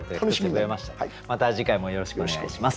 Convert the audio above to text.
また次回もよろしくお願いします。